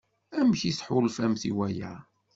Amek i tḥulfamt i waya?